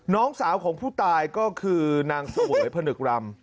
น้องสาวของผู้ตายก็คือนางเสวยผนึกรำ